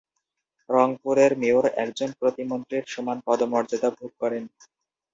রংপুরের মেয়র একজন প্রতিমন্ত্রীর সমান পদমর্যাদা ভোগ করেন।